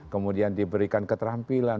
kemudian diberikan keterampilan